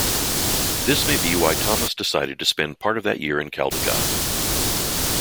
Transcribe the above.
This may be why Thomas decided to spend part of that year in Caldicot.